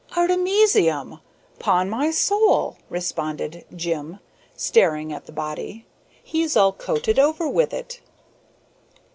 "Artemisium! 'pon my soul!" responded "Jim," staring at the body. "He's all coated over with it."